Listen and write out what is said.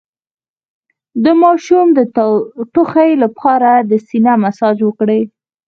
د ماشوم د ټوخي لپاره د سینه مساج وکړئ